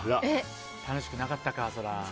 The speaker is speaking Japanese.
楽しくなかったか、そりゃ。